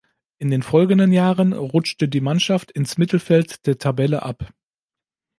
In den folgenden Jahren rutschte die Mannschaft ins Mittelfeld der Tabelle ab.